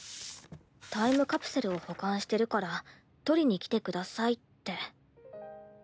タイムカプセルを保管してるから取りに来てくださいって。